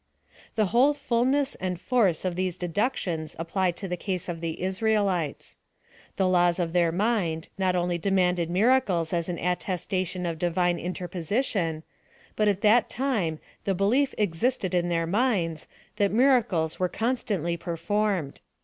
The whole fullness and force of these deductions apply to the case of the Israelites. The laws of their mind not only demanded miracles as an attes tation of Divine interposition ; but at that time, the l/clief existed in their minds, that miracles were constantly performed.